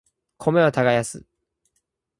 米を耕す